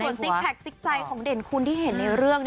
ซิกแพคซิกใจของเด่นคุณที่เห็นในเรื่อง